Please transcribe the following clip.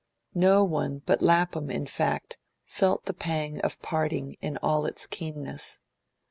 No one but Lapham in fact, felt the pang of parting in all its keenness.